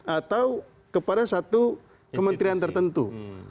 atau kepada satu kementerian tertentu